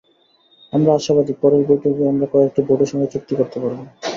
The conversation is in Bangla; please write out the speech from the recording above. আমরা আশাবাদী পরের বৈঠকেই আমরা কয়েকটি বোর্ডের সঙ্গে চুক্তি করতে পারব।